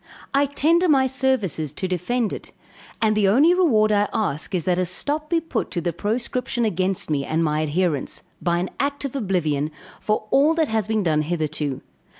I tender my services to defend it; and the only reward I ask is that a stop be put to the proscription against me and my adherents, by an act of oblivion, for all that has been done hitherto.